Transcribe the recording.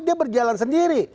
dia berjalan sendiri